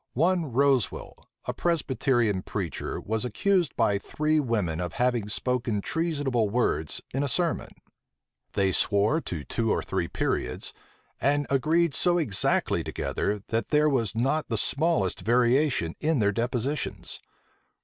One Rosewel, a Presbyterian preacher, was accused by three women of having spoken treasonable words in a sermon. They swore to two or three periods, and agreed so exactly together, that there was not the smallest variation in their depositions.